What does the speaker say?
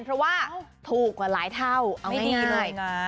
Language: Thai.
เพราะว่าถูกกว่าหลายเท่าเอาไม่ง่าย